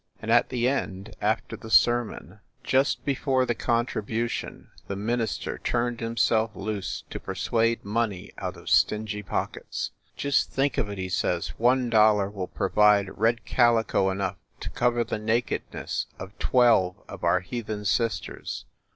And at the end, after the sermon, just before the 64 FIND THE WOMAN contribution, the minister turned himself loose to persuade money out of stingy pockets. "Just think of it !" he says, "one dollar will pro vide red calico enough to cover the nakedness of twelve of our heathen sisters!